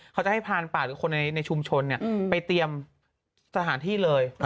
เขาจะให้พานปากคนในชุมชนเนี่ยไปเตรียมสถานที่เลย